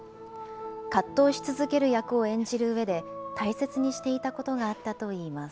葛藤し続ける役を演じるうえで、大切にしていたことがあったといいます。